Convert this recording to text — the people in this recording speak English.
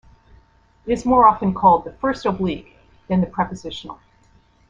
It is more often called the "first oblique" than the prepositional.